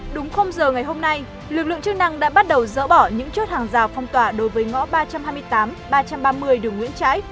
đúng giờ ngày hôm nay lực lượng chức năng đã bắt đầu dỡ bỏ những chốt hàng rào phong tỏa đối với ngõ ba trăm hai mươi tám ba trăm ba mươi đường nguyễn trãi